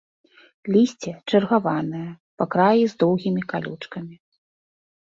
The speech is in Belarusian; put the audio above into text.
Лісце чаргаванае, па краі з доўгімі калючкамі.